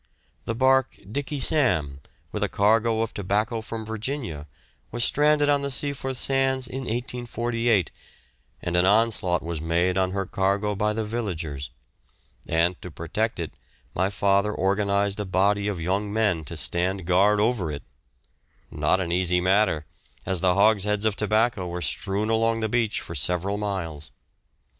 The barque "Dickey Sam" with a cargo of tobacco from Virginia was stranded on the Seaforth sands in 1848, and an onslaught was made on her cargo by the villagers; and to protect it, my father organised a body of young men to stand guard over it not an easy matter, as the hogsheads of tobacco were strewn along the beach for several miles.